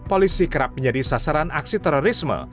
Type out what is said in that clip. polisi kerap menjadi sasaran aksi terorisme